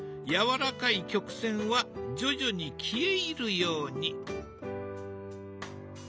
やわらかい曲線は徐々に消え入るように。